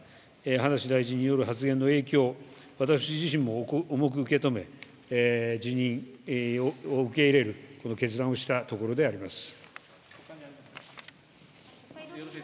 葉梨大臣による発言の影響を私自身も重く受け止め、辞任を受け入れる決断をしたところであります。